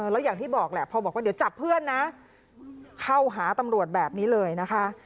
แล้วอย่างที่บอกแหละพอบอกว่าเดี๋ยวจับเพื่อนนะเข้าหาตำรวจแบบนี้เลยนะคะ